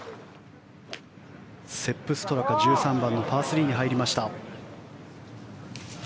セップ・ストラカ１３番のパー３に入りました。